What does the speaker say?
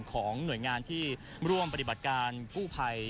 ของหน่วยงานที่ร่วมปฏิบัติการกู้ภัย